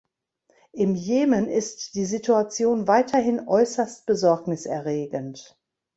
Im Jemen ist die Situation weiterhin äußerst besorgniserregend.